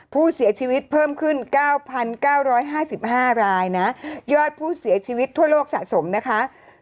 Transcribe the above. ผู้เสียชีวิตเพิ่มขึ้น๙๙๕๕รายนะยอดผู้เสียชีวิตทั่วโลกสะสมนะคะ